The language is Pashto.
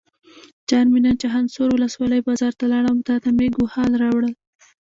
جان مې نن چخانسور ولسوالۍ بازار ته لاړم او تاته مې ګوښال راوړل.